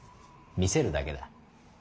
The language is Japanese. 見せるだけだ。